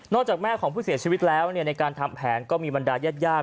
จากแม่ของผู้เสียชีวิตแล้วในการทำแผนก็มีบรรดายาด